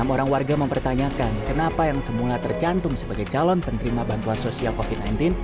enam orang warga mempertanyakan kenapa yang semula tercantum sebagai calon penerima bantuan sosial covid sembilan belas